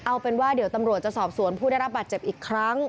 เอาเป็นว่าเดี๋ยวตำรวจจะสอบสวนผู้ได้รับบาดเจ็บอีกครั้ง